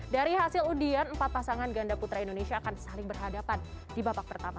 dari hasil udian empat pasangan ganda putra indonesia akan saling berhadapan di babak pertama